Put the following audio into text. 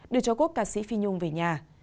đưa cho cốt ca sĩ phi nhung về nhà